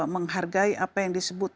menghargai apa yang disebut